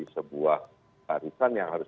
sebuah tarifan yang harus